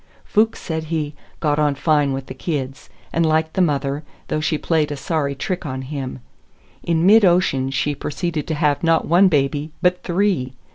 Fuchs said he "got on fine with the kids," and liked the mother, though she played a sorry trick on him. In mid ocean she proceeded to have not one baby, but three!